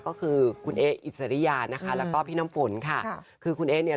ก็คือคุณเอ๊อิสริยานะคะแล้วก็พี่น้ำฝนค่ะคือคุณเอ๊เนี่ย